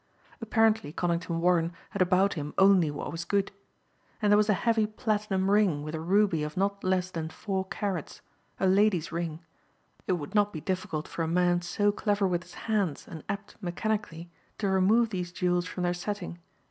Apparently Conington Warren had about him only what was good. And there was a heavy platinum ring with a ruby of not less than four carats, a lady's ring. It would not be difficult for a man so clever with his hands and apt mechanically to remove these jewels from their setting.